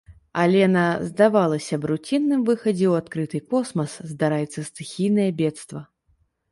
Але на, здавалася б, руцінным выхадзе ў адкрыты космас здараецца стыхійнае бедства.